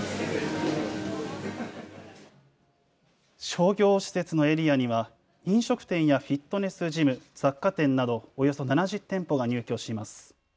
商業施設のエリアには飲食店やフィットネスジム、雑貨店などおよそ７０店舗が入居します。